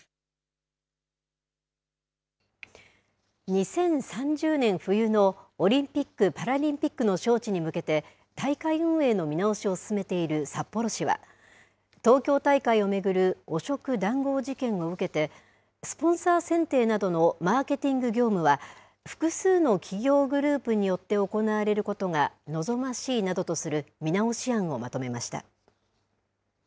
２０３０年冬のオリンピック・パラリンピックの招致に向けて、大会運営の見直しを進めている札幌市は、東京大会を巡る汚職談合事件を受けて、スポンサー選定などのマーケティング業務は、複数の企業グループによって行われることが望ましいなどとする、見直し案をまとめました。